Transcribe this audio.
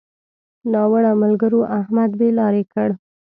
ناوړه ملګرو؛ احمد بې لارې کړ.